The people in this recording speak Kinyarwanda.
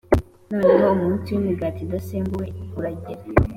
Noneho umunsi w imigati idasembuwe uragera